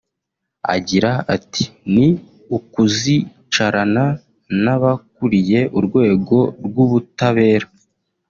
Agira ati "Ni ukuzicarana n’abakuriye urwego rw’ubutabera